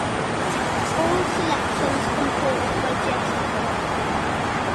All selections composed by Jesse Cook.